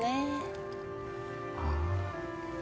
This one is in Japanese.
ああ。